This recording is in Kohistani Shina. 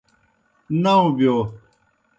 ناؤ بِیو۔